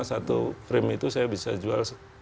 satu frame itu saya bisa jual